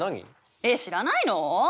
えっ知らないの？